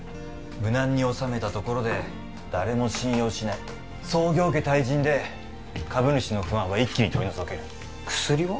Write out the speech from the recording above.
無難に収めたところで誰も信用しない創業家退陣で株主の不安は一気に取り除ける薬は？